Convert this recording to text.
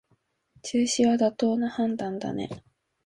中止は妥当な判断だね